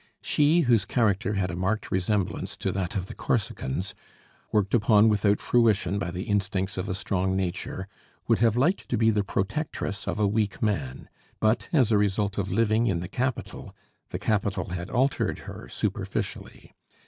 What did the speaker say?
She, whose character had a marked resemblance to that of the Corsicans, worked upon without fruition by the instincts of a strong nature, would have liked to be the protectress of a weak man; but, as a result of living in the capital, the capital had altered her superficially.